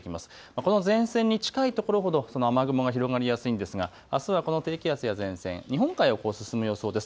この前線に近いところほどその雨雲が広がりやすいんですが、あすはこの低気圧や前線、日本海を進む予想です。